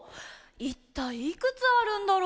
いったいいくつあるんだろう？